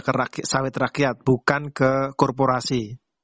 ke sawit rakyat bukan ke korporasi